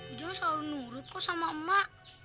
ujungnya selalu nurut kok sama emak